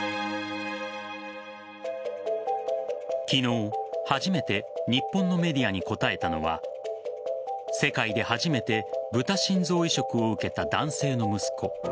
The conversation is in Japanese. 昨日、初めて日本のメディアに答えたのは世界で初めてブタ心臓移植を受けた男性の息子